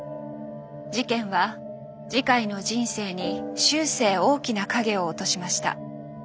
事件は慈海の人生に終生大きな影を落としました。